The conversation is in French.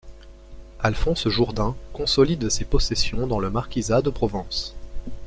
Alfonse Jourdain consolide ses possessions dans le marquisat de Provence.